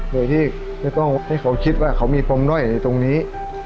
โดยที่ไม่ต้องให้เขาคิดว่าเขามีปมด้อยตรงนี้